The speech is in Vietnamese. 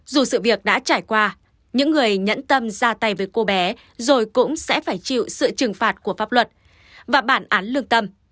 dù sự việc đã trải qua những người nhẫn tâm ra tay với cô bé rồi cũng sẽ phải chịu sự trừng phạt của pháp luật và bản án lương tâm